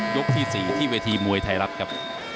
ที่๔ที่เวทีมวยไทยรัฐครับ